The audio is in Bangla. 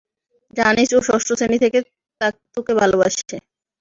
জানিস ও ষষ্ঠ শ্রেণি থেকে তোকে ভালোবাসে?